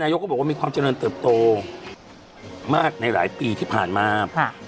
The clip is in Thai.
ยกก็บอกว่ามีความเจริญเติบโตมากในหลายปีที่ผ่านมา